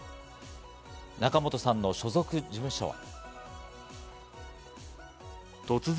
仲本さんの所属事務所は。